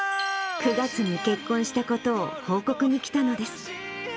９月に結婚したことを報告に来たのです。